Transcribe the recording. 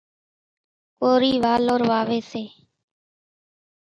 ڪورِي والور واويَ سي۔